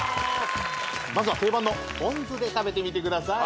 まずは定番のポン酢で食べてみてください